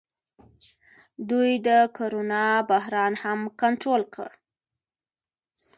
دوی د کرونا بحران هم کنټرول کړ.